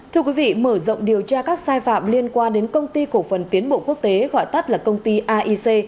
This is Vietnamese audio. thưa quý vị mở rộng điều tra các sai phạm liên quan đến công ty cổ phần tiến bộ quốc tế gọi tắt là công ty aic